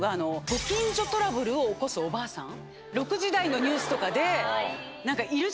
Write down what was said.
ご近所トラブルを起こすおばあさん。